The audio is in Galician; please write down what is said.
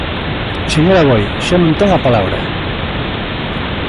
Señor Aboi, xa non ten a palabra.